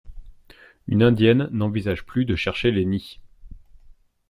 Une indienne n'envisage plus de chercher les nids.